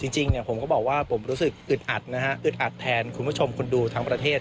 จริงผมก็บอกว่าผมรู้สึกอึดอัดนะฮะอึดอัดแทนคุณผู้ชมคนดูทั้งประเทศ